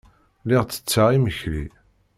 Lliɣ ttetteɣ imekli.